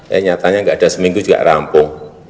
ya nyatanya nggak ada seminggu juga rampung